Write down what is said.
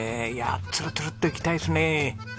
ツルツルッといきたいですね。